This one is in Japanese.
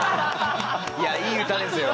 いやいい歌ですよ！